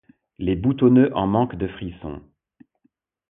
Les boutonneux en manque de frissons.